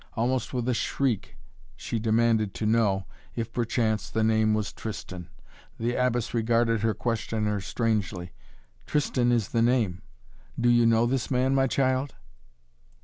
Almost with a shriek she demanded to know if, perchance, the name was Tristan. The Abbess regarded her questioner strangely. "Tristan is the name. Do you know this man, my child?"